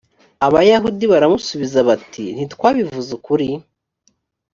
abayahudi baramusubiza bati ntitwabivuze ukuri